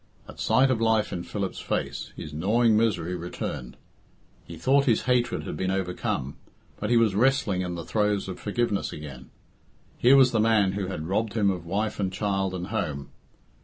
At sight of life in Philip's face, his gnawing misery returned. He thought his hatred had been overcome, but he was wrestling in the throes of forgiveness again. Here was the man who had robbed him of wife and child and home!